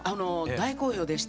大好評でして。